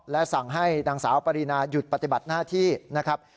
และสั่งให้นางสาวปรินาหยุดปฏิบัติหน้าที่นะครับ